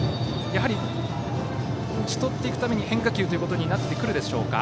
やはり打ち取っていくために変化球ということになってくるでしょうか。